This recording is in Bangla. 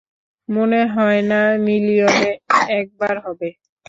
মনে হয় না মিলিয়নে একবার হবে!